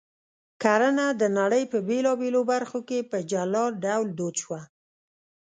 کرنه د نړۍ په بېلابېلو برخو کې په جلا ډول دود شوه